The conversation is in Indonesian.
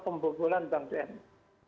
pembobolan bank bni